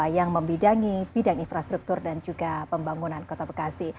yang membidangi bidang infrastruktur dan juga pembangunan kota bekasi